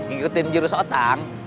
ikutin jurus otang